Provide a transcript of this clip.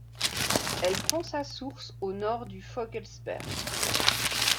Elle prend sa source au nord du Vogelsberg.